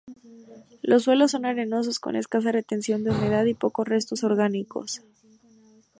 Los suelos son arenosos con escasa retención de humedad y pocos restos orgánicos.